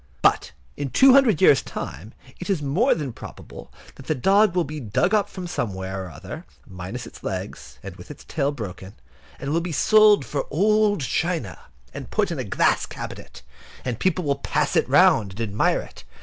But in 200 years' time it is more than probable that that dog will be dug up from somewhere or other, minus its legs, and with its tail broken, and will be sold for old china, and put in a glass cabinet. And people will pass it round, and admire it.